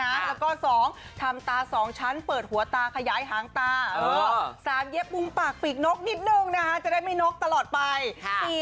แล้วก็๒ทำตา๒ชั้นเปิดหัวตาขยายหางตา๓เย็บมุมปากปีกนกนิดนึงนะคะจะได้ไม่นกตลอดไป